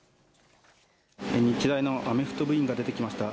日大のアメフト部員が出てきました。